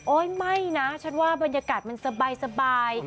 ไม่นะฉันว่าบรรยากาศมันสบาย